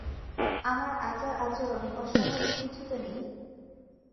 আমার আচার-আচরণে অস্বাভাবিক কিছু তো নেই।